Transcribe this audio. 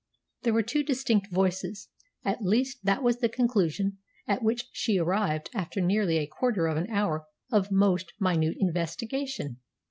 There were two distinct voices; at least that was the conclusion at which she arrived after nearly a quarter of an hour of most minute investigation.